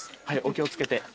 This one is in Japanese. はいお気を付けて。